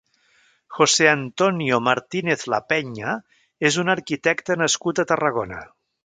José Antonio Martínez Lapeña és un arquitecte nascut a Tarragona.